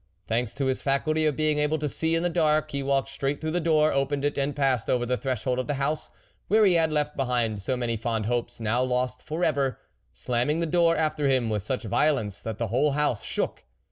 Thanks to his faculty of being able to see in the dark, he walked straight to the door, opened it, and passed over the threshold of the house, where he had left behind so many fond hopes, now lost for ever, slamming the door after him with such violence that the whole house shook.